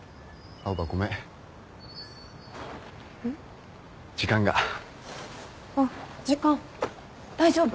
あっ時間大丈夫？